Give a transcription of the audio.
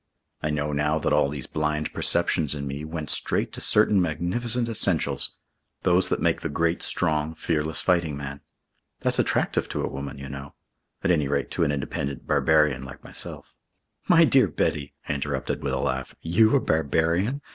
I know now that all these blind perceptions in me went straight to certain magnificent essentials those that make the great, strong, fearless fighting man. That's attractive to a woman, you know. At any rate, to an independent barbarian like myself " "My dear Betty," I interrupted with a laugh. "You a barbarian?